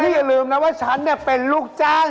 อย่าลืมนะว่าฉันเป็นลูกจ้าง